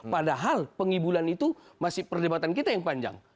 padahal pengibulan itu masih perdebatan kita yang panjang